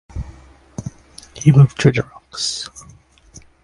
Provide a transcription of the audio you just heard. He moved through the ranks.